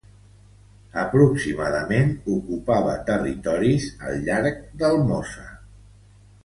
Aproximadament ocupava territoris al llarg del Mosa.